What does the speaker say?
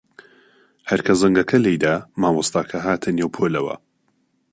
هەر کە زەنگەکە لێی دا، مامۆستاکە هاتە نێو پۆلەوە.